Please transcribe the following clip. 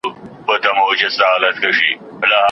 ټولنيزې چارې د سياست د لارې تنظيمېږي.